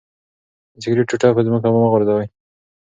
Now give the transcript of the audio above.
د سګرټ ټوټه په ځمکه مه غورځوئ.